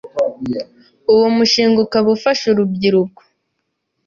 uwo mushinga ukaba ufasha urubyiruko,